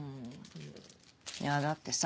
いやだってさ。